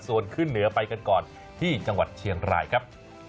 ส่วนขึ้นเหนือไปกันก่อนที่จังหวัดเชียงรายครับ